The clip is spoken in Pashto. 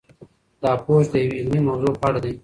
دا پوسټ د یوې علمي موضوع په اړه دی.